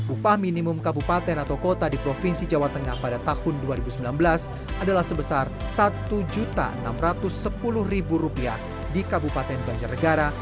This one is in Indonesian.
upah minimum kabupaten atau kota di provinsi jawa tengah pada tahun dua ribu sembilan belas adalah sebesar rp satu enam ratus sepuluh di kabupaten banjarnegara